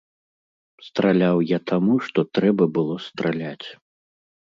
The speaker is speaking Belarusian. Страляў я таму, што трэба было страляць.